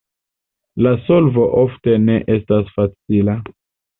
La solvo ofte ne estas facila.